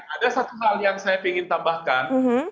ada satu hal yang saya ingin tambahkan